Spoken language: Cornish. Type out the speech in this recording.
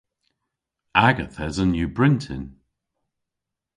Aga thesen yw bryntin.